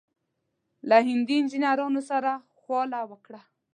له هندي انجنیرانو سره خواله وکړه.